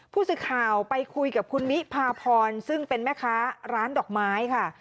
ผู้สื่อข่าวไปคุยกับคุณมิพาพรซึ่งเป็นแม่ค้าร้านดอกไม้ค่ะ